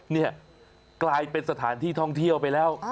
นี่กลายเป็นสถานที่ท่องเที่ยวไปแล้ว